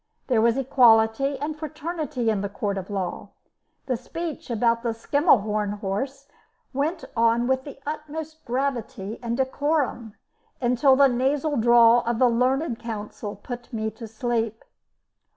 There was equality and fraternity in the court of law; the speech about the Skemelhorne horse went on with the utmost gravity and decorum, until the nasal drawl of the learned counsel put me to sleep.